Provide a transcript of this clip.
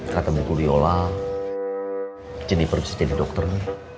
kata ibu guliola jennifer bisa jadi dokter nih